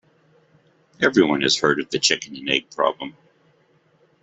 Everyone has heard of the chicken and egg problem.